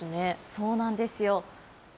そうなんですよ。